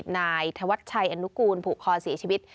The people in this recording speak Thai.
นายธวัชชัยอนุกูลผูกคอเสียชีวิต